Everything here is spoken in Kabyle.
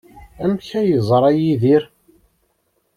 Amek ay yeẓra Yidir?